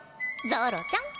ゾロちゃん。